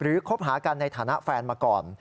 คบหากันในฐานะแฟนมาก่อน